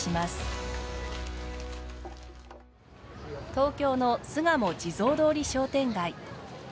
東京の巣鴨地蔵通り商店街。